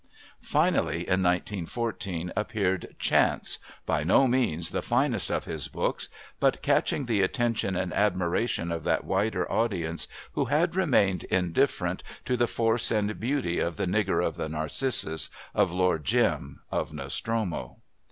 Finally in 1914 appeared Chance, by no means the finest of his books, but catching the attention and admiration of that wider audience who had remained indifferent to the force and beauty of The Nigger of the Narcissus, of Lord Jim, of Nostromo.